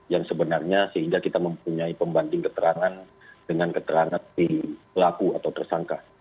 yang sebenarnya sehingga kita mempunyai pembanding keterangan dengan keterangan si pelaku atau tersangka